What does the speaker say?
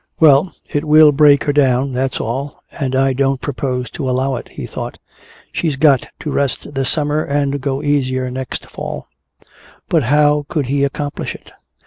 "Well, it will break her down, that's all, and I don't propose to allow it," he thought. "She's got to rest this summer and go easier next fall." But how could he accomplish it?